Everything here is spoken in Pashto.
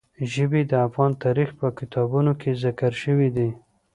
ژبې د افغان تاریخ په کتابونو کې ذکر شوي دي.